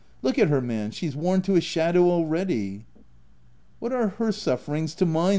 Look at her, man, she's worn to a shadow already." " What are her sufferings to mine